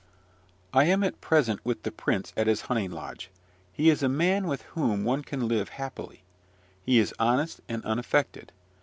I am at present with the prince at his hunting lodge. He is a man with whom one can live happily. He is honest and unaffected.